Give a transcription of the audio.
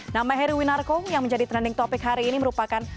nama heruwinarko yang menjadi trending topic hari ini merupakan